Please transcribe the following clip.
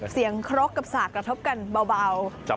เสียงเคราะห์กับสระกระทบกันเบา